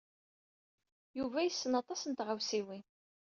Yuba yessen aṭas n tɣawsiwin.